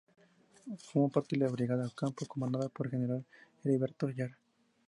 Formó parte de la Brigada ""Ocampo"", comandada por el general Heriberto Jara.